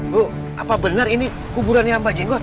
bu apa bener ini kuburan mbah jenggot